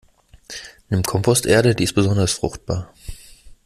Nimm Komposterde, die ist besonders fruchtbar.